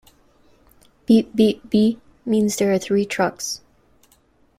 "B-B-B" means there are three trucks.